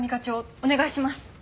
お願いします！